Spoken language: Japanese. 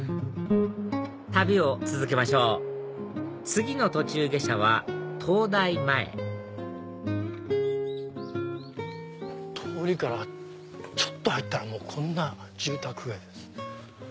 旅を続けましょう次の途中下車は東大前通りからちょっと入ったらもうこんな住宅街です。